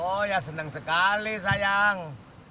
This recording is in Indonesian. oh ya senang sekali sayang